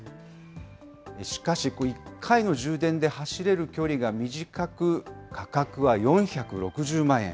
しかし１回の充電で走れる距離が短く、価格は４６０万円。